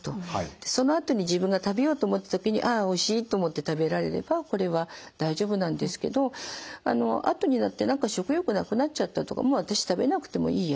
でそのあとに自分が食べようと思った時に「ああおいしい」と思って食べられればこれは大丈夫なんですけどあとになって何か食欲なくなっちゃったとかもう私食べなくてもいいや。